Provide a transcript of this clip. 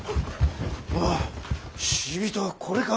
ああ死人はこれか。